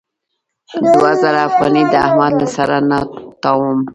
دوه زره افغانۍ د احمد له سره نه تاووم.